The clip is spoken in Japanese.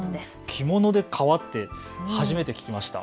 着物で革って初めて聞きました。